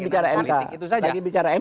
ini lagi bicara mk